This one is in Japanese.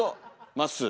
まっすー。